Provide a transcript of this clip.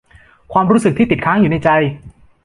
ความรู้สึกที่ติดค้างอยู่ในใจ